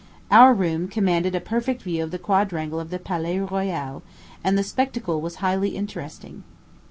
Our room commanded a perfect view of the quadrangle of the Palais Royal, and the spectacle was highly interesting.